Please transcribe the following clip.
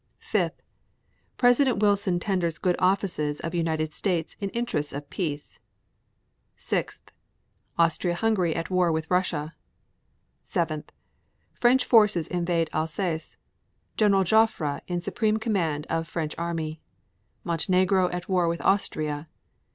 5. President Wilson tenders good offices of United States in interests of peace. 6. Austria Hungary at war with Russia. 7. French forces invade Alsace. Gen. Joffre in supreme command of French army. 7. Montenegro at war with Austria.